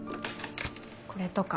これとか。